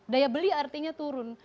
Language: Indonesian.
daya beli artinya turun